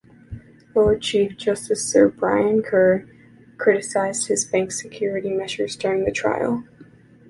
Lord Chief Justice Sir Brian Kerr criticised the bank's security measures during the trial.